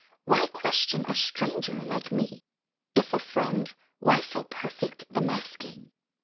Why question a stranger like me? If a friend, why so perfect the masking?